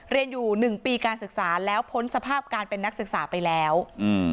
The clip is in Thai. เรียนอยู่หนึ่งปีการศึกษาแล้วพ้นสภาพการเป็นนักศึกษาไปแล้วอืม